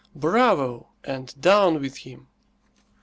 "Bravo!" and "Down with him!"